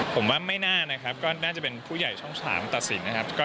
ผมว่าไม่น่านะครับก็น่าจะเป็นผู้ใหญ่ช่อง๓ตัดสินนะครับ